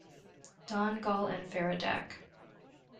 Donngal and Feradach.